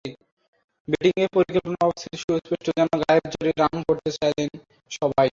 ব্যাটিংয়ে পরিকল্পনার অভাব ছিল সুস্পষ্ট, যেন গায়ের জোরে রান করতে চাইলেন সবাই।